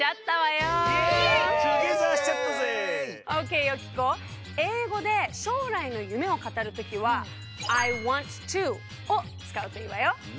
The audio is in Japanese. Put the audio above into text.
よき子英語で将来の夢をかたるときは「Ｉｗａｎｔｔｏ」をつかうといいわよ！